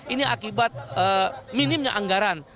ini akibat minimnya anggaran